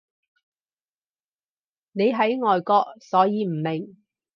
你喺外國所以唔明